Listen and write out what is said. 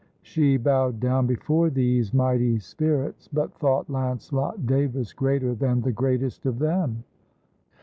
She bowed down before these mighty spirits, but thought Lancelot Davis greater than the greatest of them.